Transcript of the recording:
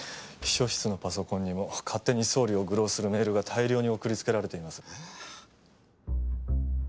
秘書室のパソコンにも勝手に総理を愚弄するメールが大量に送りつけられています。